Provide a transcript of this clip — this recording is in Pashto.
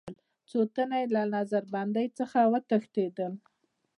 څو تنه یې له نظر بندۍ څخه وتښتېدل.